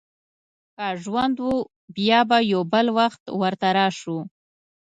که ژوند و، بیا به یو بل وخت ورته راشو.